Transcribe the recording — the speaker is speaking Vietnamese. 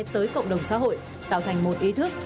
tới cộng đồng xã hội tạo thành một ý thức